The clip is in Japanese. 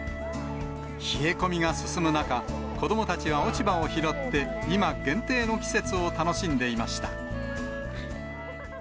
冷え込みが進む中、子どもたちは落ち葉を拾って、今限定の季節を楽しんでいました。